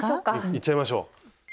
いっちゃいましょう！